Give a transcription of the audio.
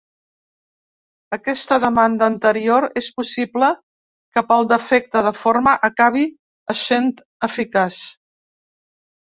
Aquesta demanda anterior és possible que pel defecte de forma acabi essent eficaç.